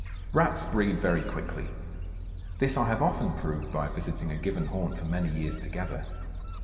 Rats breed very quickly. This I have often proved by visiting a given haunt for many years together.